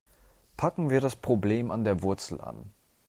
Packen wir das Problem an der Wurzel an.